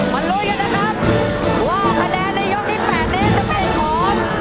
วันรวยกันนะครับว่าคะแนนในยกที่แปดนี้จะเป็นของ